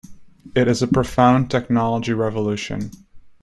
It is a profound technology revolution.